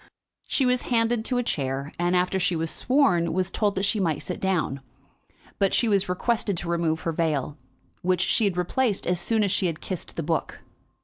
She was handed to a chair, and, after she was sworn, was told that she might sit down. But she was requested to remove her veil, which she had replaced as soon as she had kissed the book.